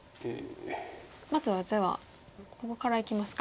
まずはではここからいきますか？